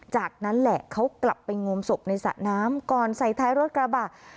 จากนั้นแหละเขากลับไปงมศพในสระน้ำก่อนใส่ท้ายรถกระบะ